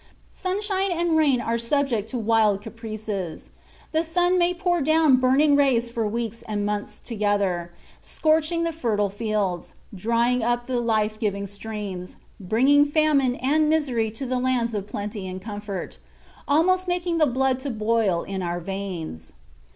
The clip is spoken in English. Sunshine and rain are subject to like wild caprices. The sun may pour down burning rays for weeks and months together, scorching the fertile fields, drying up the life giving streams, bringing famine and misery to lands of plenty and comfort, almost making the blood to boil in our veins.